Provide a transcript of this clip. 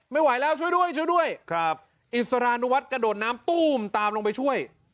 ไม่ไหวแล้วช่วยด้วยช่วยด้วยครับอิสรานุวัฒน์กระโดดน้ำตู้มตามลงไปช่วย